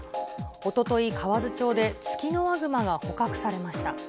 おととい、河津町でツキノワグマが捕獲されました。